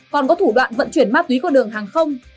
còn có thủ đoạn vận chuyển ma túy qua đường hàng không